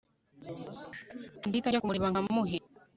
ndahita njya kumureba nkamuhe